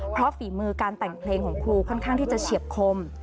เพราะฝีมือการแต่งเพลงของครูค่อนข้างที่จะเฉียบคม